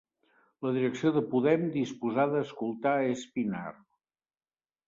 La direcció de Podem disposada a escoltar a Espinar